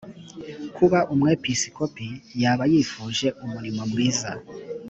kuba umwepisikopi aba yifuje umurimo mwiza